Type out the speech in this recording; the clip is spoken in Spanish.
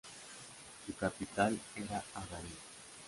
Su capital era Agadir.